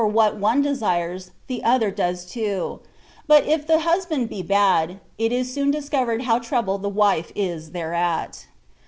what one desires the other does too : but if the husband be bad, it is soon discovered how troubled the wife is thereat.